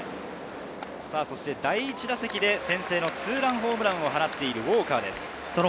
第１打席で先制ツーランホームランを放っているウォーカーです。